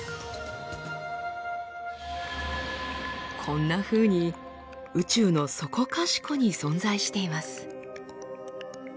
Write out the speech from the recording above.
こんなふうに宇宙のそこかしこに存在しています。